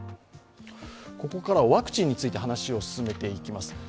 ここからはワクチンについて話を進めていきます。